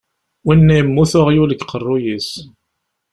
Winna yemmut uɣyul deg uqerruy-is.